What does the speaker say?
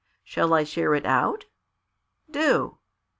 "Shall I share it out?" "Do."